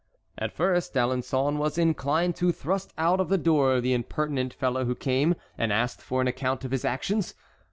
At first D'Alençon was inclined to thrust out of the door the impertinent fellow who came and asked for an account of his actions.